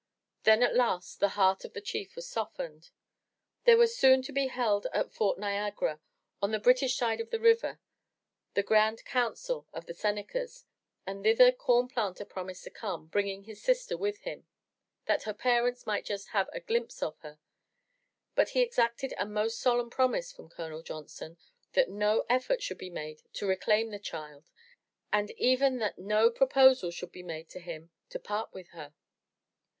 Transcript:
Then at last the heart of the chief was softened. There was soon to be held at Fort Nia 378 THE TREASURE CHEST gara, on the British side of the river, the Grand Council of the Senecas, and thither Corn Planter promised to come, bringing his sister with him, that her parents might just have a glimpse of her. But he exacted a most solemn promise from Colonel Johnson that no effort should be made to reclaim the child and even that no proposal should be made to him to part with her.